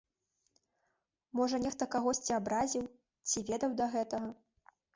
Можа нехта кагосьці абразіў ці ведаў да гэтага?